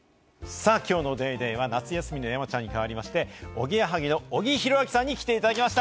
さあ、きょうの『ＤａｙＤａｙ．』は夏休みの山ちゃんに代わりまして、おぎやはぎの小木博明さんに来ていただきました。